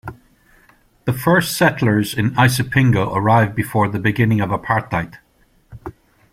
The first settlers in Isipingo arrived before the beginning of Apartheid.